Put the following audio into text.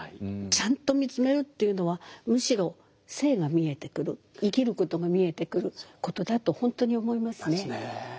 ちゃんと見つめるっていうのはむしろ生が見えてくる生きることが見えてくることだと本当に思いますね。